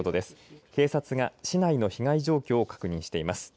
警察が市内の被害の状況を確認してます。